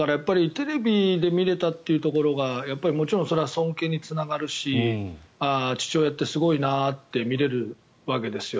テレビで見れたというところがやっぱりもちろんそれは尊敬につながるし父親ってすごいなって見れるわけですよ。